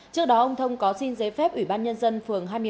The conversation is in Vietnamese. trước đó ông thông có xin giấy phép ủy ban nhân dân phường hai mươi một